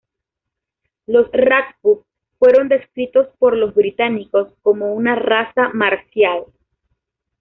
Los rajput fueron descritos por los británicos como una "raza marcial".